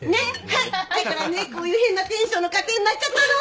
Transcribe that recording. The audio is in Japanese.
だからねこういう変なテンションの家庭になっちゃったの。